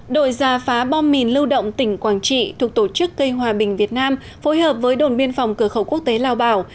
đội giả phá bom mìn lưu động tỉnh quảng trị thuộc tổ chức cây hòa bình việt nam phối hợp với đồn biên phòng cửa khẩu quốc tế lao bảo